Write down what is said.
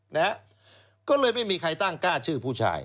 นะฮะก็เลยไม่มีใครตั้งกล้าชื่อผู้ชาย